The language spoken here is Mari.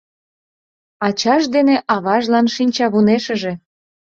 Ачаж дене аважлан шинчавунешыже